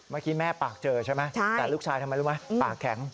เมื่อกี้แม่ปากเจอใช่ไหมแต่ลูกชายทำไมรู้ไหมปากแข็ง